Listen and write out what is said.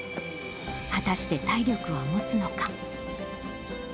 果たして体力はもつのか。